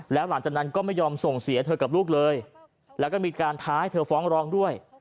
แล้วหลังจากนั้นก็ไม่ยอมส่งเสียเธอกับลูกเลยแล้วก็มีการท้าให้เธอฟ้องร้องด้วย